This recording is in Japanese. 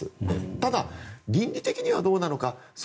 ただ、倫理的にはどうなのか。